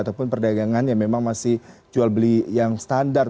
ataupun perdagangan yang memang masih jual beli yang standar